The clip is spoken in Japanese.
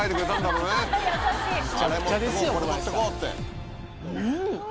うん。